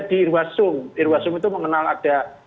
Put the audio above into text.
di irwasung irwasung itu mengenal ada